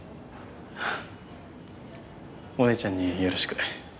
お姉ちゃんによろしく。